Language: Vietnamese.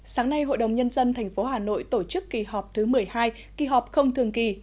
sáng nay hội đồng nhân dân tp hà nội tổ chức kỳ họp thứ một mươi hai kỳ họp không thường kỳ